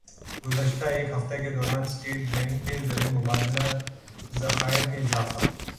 گزشتہ ایک ہفتہ کے دوران اسٹیٹ بینک کے زرمبادلہ ذخائر میں اضافہ